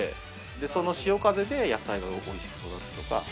その潮風で野菜がおいしく育つとか。